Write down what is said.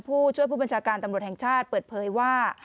ผู้ช่วยผู้บัญชาการตำรวจแห่งชาติเปิดเผยว่า